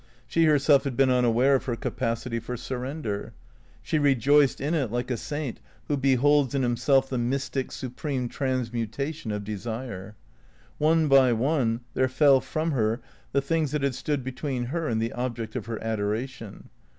She herself had been unaware of her capacity for surrender. She rejoiced in it like a saint who beholds in himself the mystic, supreme transmutation of desire. One by one there fell from her the things that had stood between her and the object of her adoration.